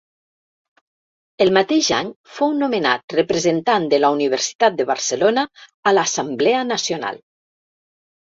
El mateix any fou nomenat representant de la Universitat de Barcelona a l'Assemblea Nacional.